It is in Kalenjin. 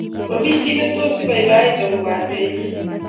Mamie chii age netos ibabaita kobatee inye